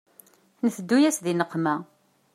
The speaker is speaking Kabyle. Nteddu-yas di nneqma.